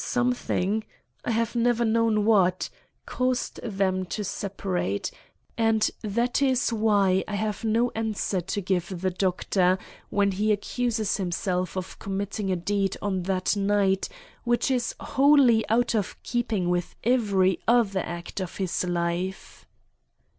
Something—I have never known what—caused them to separate, and that is why I have no answer to give the Doctor when he accuses himself of committing a deed on that night which is wholly out of keeping with every other act of his life."